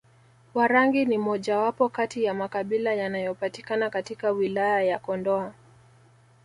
Warangi ni mojawapo kati ya makabila yanayopatikana katika wilaya ya Kondoa